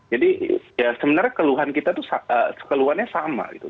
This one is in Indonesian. jadi ya sebenarnya keluhan kita tuh keluhannya sama gitu